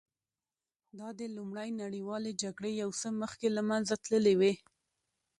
دا د لومړۍ نړیوالې جګړې یو څه مخکې له منځه تللې وې